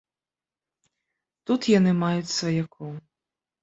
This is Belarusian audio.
Тут яны маюць сваякоў.